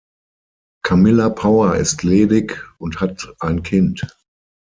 Camilla Power ist ledig und hat ein Kind.